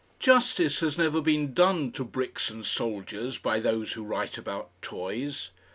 Justice has never been done to bricks and soldiers by those who write about toys.